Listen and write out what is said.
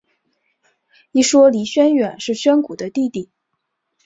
一说李宣远是宣古的弟弟。